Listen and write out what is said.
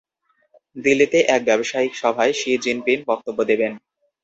দিল্লিতে এক ব্যবসায়িক সভায় শি জিনপিং বক্তব্য দেবেন।